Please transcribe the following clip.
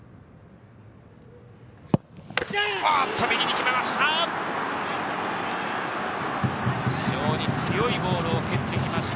右に決めました。